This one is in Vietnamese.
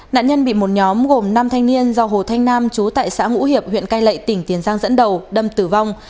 nạn nhân bị một nhóm gồm năm thanh niên do hồ thanh nam chú tại xã ngũ hiệp huyện cai lệ tỉnh tiền giang dẫn đầu đâm tử vong